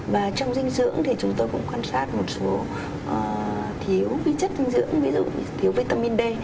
và trong dinh dưỡng thì chúng tôi cũng quan sát một số thiếu vi chất dinh dưỡng ví dụ như thiếu vitamin d